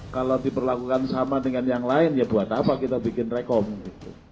kalau diperlakukan sama dengan yang lain ya buat apa kita bikin rekom gitu